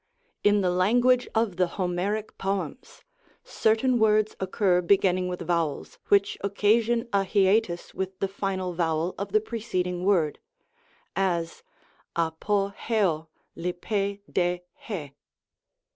In the language of the Homeric poems, certain words occur beginning with vowels, which occasion a hiatus with the final vowel of the preceding word ; as, ccTib ?o, Xcns Si e.